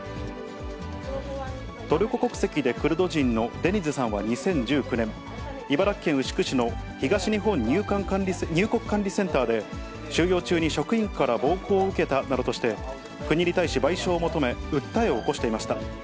トルコ国籍でクルド人のデニズさんは２０１９年、茨城県牛久市の東日本入国管理センターで収容中に職員から暴行を受けたなどとして、国に対し、賠償を求め、訴えを起こしていました。